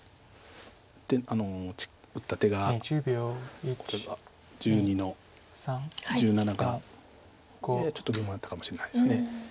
打った手が１２の十七がややちょっと疑問だったかもしれないです。